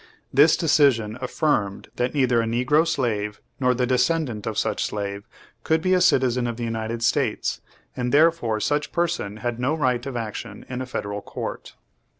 This decision affirmed that neither a negro slave, nor the descendant of such slave, could be a citi zen of the United States, and therefore such per son had no right of action in a Federal Court.